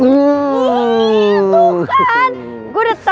itu kan gue udah tau